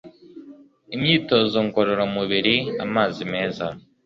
imyitozo ngororamubiri amazi meza